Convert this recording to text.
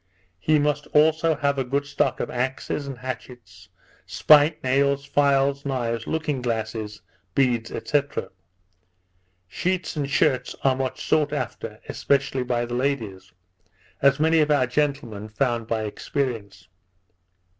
He must also have a good stock of axes, and hatchets, spike nails, files, knives, looking glasses, beads, &c. Sheets and shirts are much sought after, especially by the ladies; as many of our gentlemen found by experience.